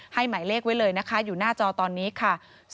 หมายเลขไว้เลยนะคะอยู่หน้าจอตอนนี้ค่ะ